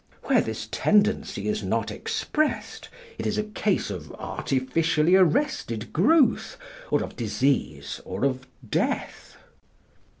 Where this tendency is not expressed, it is a case of artificially arrested growth, or of disease, or of death.